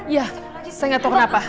ya saya gak tau kenapa